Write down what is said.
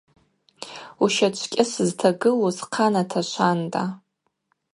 Ущачвкӏьыс зтагылу схъа наташванда.